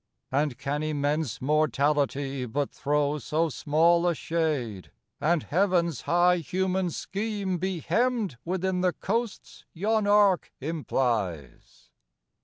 And can immense Mortality but throw So small a shade, and Heaven's high human scheme Be hemmed within the coasts yon arc implies?